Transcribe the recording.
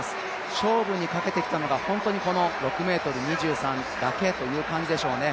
勝負にかけてきたのが本当にこの６ｍ２３だけという感じでしょうね。